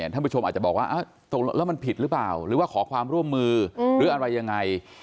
ท่านผู้ชมอาจจะบอกว่าตกลงแล้วมันผิดหรือเปล่าหรือว่าขอความร่วมมือหรืออะไรยังไง